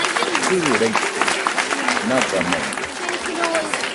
Jɨ, raite nagamaiaɨ